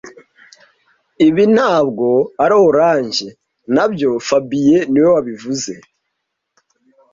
Ibi ntabwo ari orange, nabyo fabien niwe wabivuze